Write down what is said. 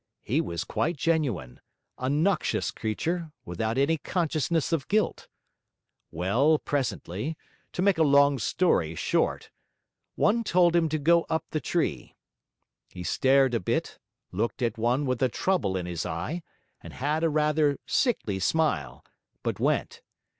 He was quite genuine; a noxious creature, without any consciousness of guilt. Well, presently to make a long story short one told him to go up the tree. He stared a bit, looked at one with a trouble in his eye, and had rather a sickly smile; but went.